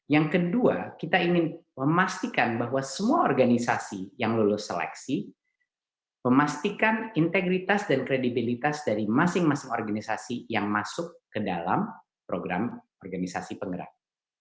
yang kedua kita ingin memastikan bahwa semua organisasi yang lulus seleksi memastikan integritas dan kredibilitas dari masing masing organisasi yang masuk ke dalam program organisasi penggerak